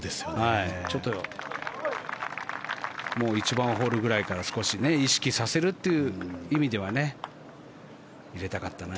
ちょっと１番ホールぐらいから意識させるという意味では今のは入れたかったな。